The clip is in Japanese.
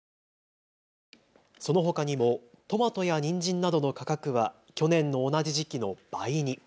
そのほかにもトマトやにんじんなどの価格は去年の同じ時期の倍に。